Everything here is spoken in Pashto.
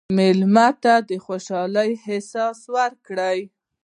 مېلمه ته د خوشحالۍ احساس ورکړه.